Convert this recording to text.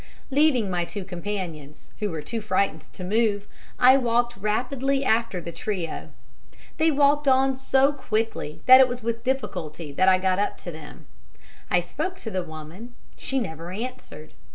Leaving my two companions, who were too frightened to move, I walked rapidly after the trio. They walked on so quickly that it was with difficulty that I got up to them. I spoke to the woman, she never answered.